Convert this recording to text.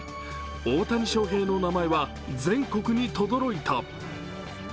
大谷翔平の名前は全国にとどろいた。